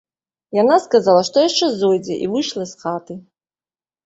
Яна сказала, што яшчэ зойдзе, і выйшла з хаты.